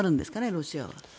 ロシアは。